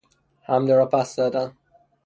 حمله را پس زدن